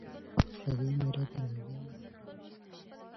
د هغې ناره پر غازیانو لګېدلې ده.